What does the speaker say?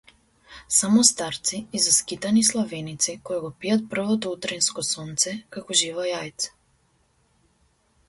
Само старци и заскитани славеници кои го пијат првото утринско сонце како живо јајце.